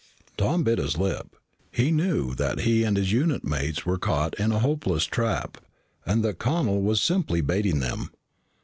Tom bit his lip. He knew that he and his unit mates were caught in a hopeless trap and that Connel was simply baiting them.